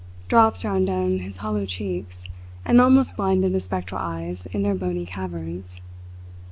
Drops ran down his hollow cheeks and almost blinded the spectral eyes in their bony caverns.